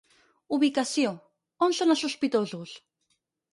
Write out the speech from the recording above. Ubicació – On són els sospitosos?